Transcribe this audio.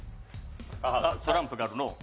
トランプがあるのう。